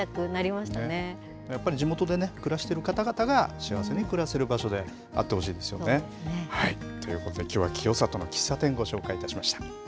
やっぱり地元で暮らしている方々が幸せに暮らせる場所であってほしいですよね。ということで、きょうは清里の喫茶店ご紹介しました。